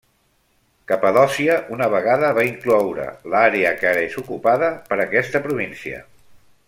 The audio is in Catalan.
Capadòcia una vegada va incloure l'àrea que ara és ocupada per aquesta província.